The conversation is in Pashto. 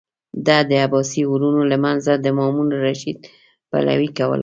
ده د عباسي ورونو له منځه د مامون الرشید پلوي کوله.